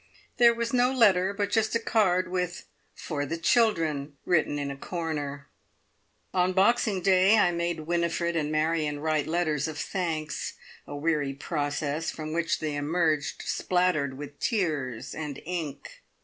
There was no letter, but just a card with "For the children," written in a corner. On Boxing Day I made Winifred and Marion write letters of thanks a weary process from which they emerged splattered with tears and ink.